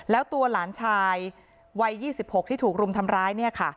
แล้วตัวหลานชายวัย๒๖ที่ถูกรุมทำร้ายเนี่ยค่ะ